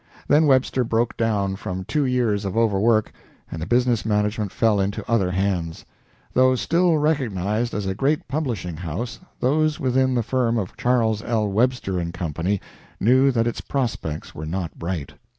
Then Webster broke down from two years of overwork, and the business management fell into other hands. Though still recognized as a great publishing house, those within the firm of Charles L. Webster & Co. knew that its prospects were not bright.